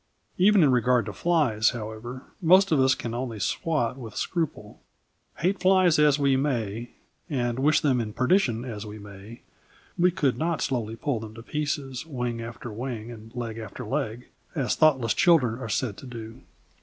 Even in regard to flies, however, most of us can only swat with scruple. Hate flies as we may, and wish them in perdition as we may, we could not slowly pull them to pieces, wing after wing and leg after leg, as thoughtless children are said to do.